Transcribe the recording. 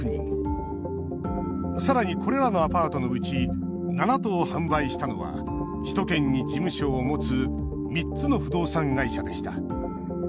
さらに、これらのアパートのうち７棟を販売したのは首都圏に事務所を持つ３つの不動産会社でした。